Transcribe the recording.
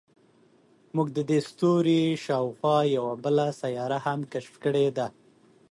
موږ د دې ستوري شاوخوا یوه بله سیاره هم کشف کړې ده.